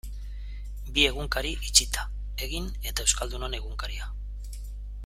Bi egunkari itxita, Egin eta Euskaldunon Egunkaria.